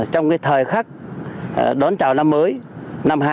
trong thời khắc đón chào năm mới năm hai nghìn hai mươi